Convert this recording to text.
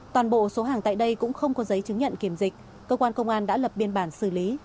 toàn bộ số hàng tại đây cũng không có giấy chứng nhận kiểm dịch cơ quan công an đã lập biên bản xử lý